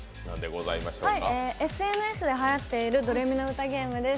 ＳＮＳではやっている「ドレミの歌ゲーム」です。